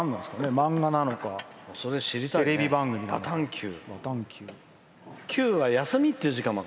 漫画なのかテレビ番組なのか。